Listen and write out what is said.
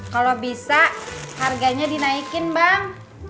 kalau bisa harganya dinaikin bang